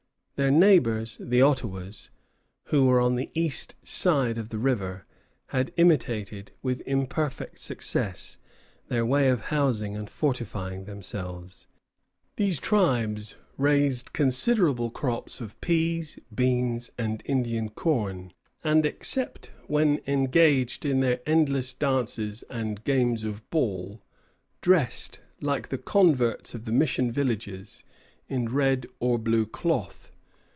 Their neighbors, the Ottawas, who were on the east side of the river, had imitated, with imperfect success, their way of housing and fortifying themselves. These tribes raised considerable crops of peas, beans, and Indian corn; and except when engaged in their endless dances and games of ball, dressed, like the converts of the mission villages, in red or blue cloth.